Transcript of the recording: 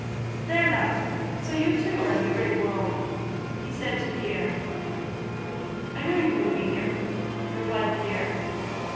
"There now!... So you, too, are in the great world?" said he to Pierre. "I knew you would be here," replied Pierre.